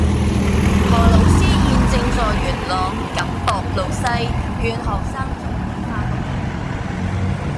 何老師問現正在元朗錦壆路西勸學生早啲返屋企